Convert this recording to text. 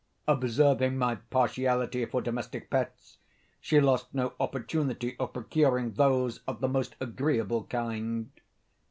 Observing my partiality for domestic pets, she lost no opportunity of procuring those of the most agreeable kind.